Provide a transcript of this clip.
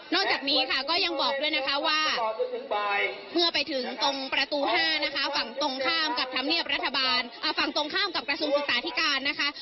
นอกจากนี้ค่ะก็ยังบอกด้วยนะคะว่าเมื่อไปถึงตรงประตู๕นะคะฝั่งตรงข้ามกับกระทรุงศึกษาที่การนะคะ